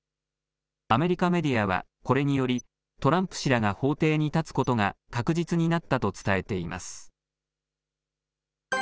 アメリカメディアは、これにより、トランプ氏らが法廷に立つことが確実になったと伝えています。